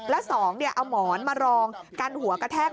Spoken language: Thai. และสองเอาหมอนมารองกันหัวกระแทก